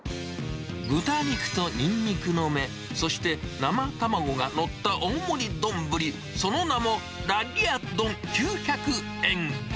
豚肉とにんにくの芽、そして生卵が載った大盛り丼、その名も、ラリアッ丼９００円。